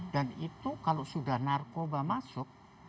dan itu kalau sudah narkoba masuk